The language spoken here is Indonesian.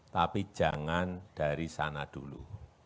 tapi jangan dari sana dulu